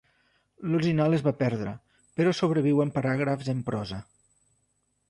L'original es va perdre però sobreviuen paràgrafs en prosa.